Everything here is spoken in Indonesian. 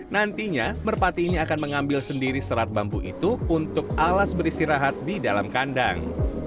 nantinya merpati ini akan mengambil sendiri serat bambu itu untuk alas beristirahat di dalam kandang